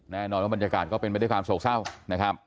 แน่นอนว่าบรรยากาศก็เป็นไปด้วยความโศกเศร้านะครับ